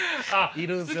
いるんすよね。